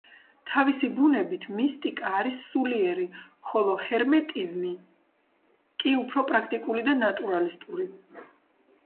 თავისი ბუნებით მისტიკა არის სულიერი, ხოლო ჰერმეტიზმი კი უფრო პრაქტიკული და ნატურალისტური.